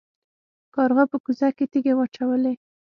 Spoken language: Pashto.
کارغه په کوزه کې تیږې واچولې.